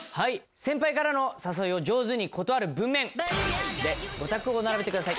先輩からの誘いを上手に断る文面でゴタクを並べてください。